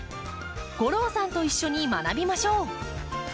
吾郎さんと一緒に学びましょう！